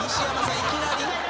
いきなり？